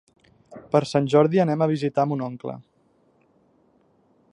Per Sant Jordi anam a visitar mon oncle.